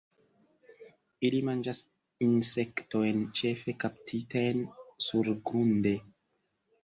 Ili manĝas insektojn, ĉefe kaptitajn surgrunde.